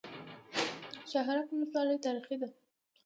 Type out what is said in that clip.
شهرک ولسوالۍ تاریخي ده؟